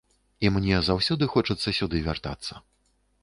І мне заўсёды хочацца сюды вяртацца.